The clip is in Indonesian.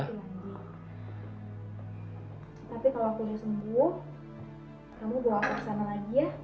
tapi kalau aku udah sembuh kamu boleh berubah aja ya